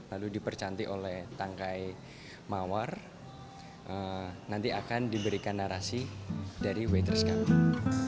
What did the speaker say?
lalu dipercantik oleh tangkai mawar nanti akan diberikan narasi dari waiters commerce